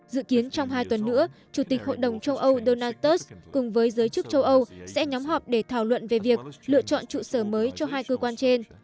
dự kiến trong hai tuần nữa chủ tịch hội đồng châu âu donald tus cùng với giới chức châu âu sẽ nhóm họp để thảo luận về việc lựa chọn trụ sở mới cho hai cơ quan trên